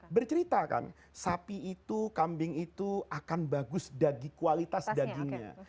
bercerita kan sapi itu kambing itu akan bagus kualitas dagingnya